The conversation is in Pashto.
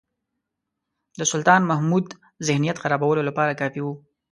د سلطان محمود ذهنیت خرابولو لپاره کافي وو.